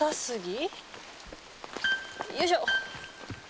よいしょ。